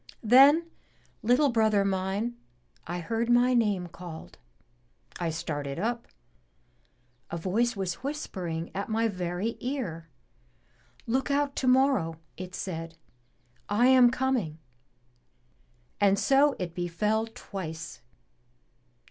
Then, little brother mine, I heard my name called. I started up. A voice was whispering at my very ear. 'Look out tomorrow,' it said, *I am coming.' And so it befell twice.